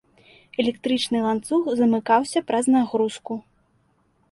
Электрычны ланцуг замыкаўся праз нагрузку.